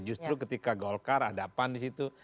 justru ketika golkar ada pan di situ